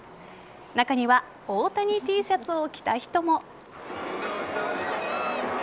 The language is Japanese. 中には大谷Ｔシャツを着た人も。